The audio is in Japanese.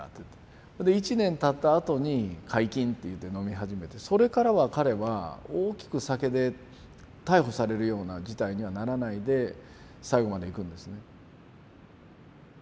一年たったあとに解禁といって飲み始めてそれからは彼は大きく酒で逮捕されるような事態にはならないで最後までいくんですね。